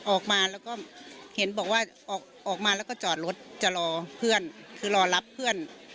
ออกมาแล้วก็เห็นบอกว่าออกมาแล้วก็จอดรถจะรอเพื่อนคือรอรับเพื่อน